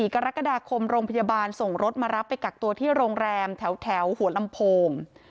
กรกฎาคมโรงพยาบาลส่งรถมารับไปกักตัวที่โรงแรมแถวหัวลำโพง